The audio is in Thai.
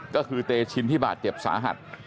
ก็คือเตชินที่บาดเจ็บสาหัส